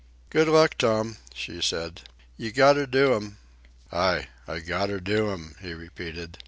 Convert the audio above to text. "Good luck, Tom," she said. "You gotter do 'im." "Ay, I gotter do 'im," he repeated.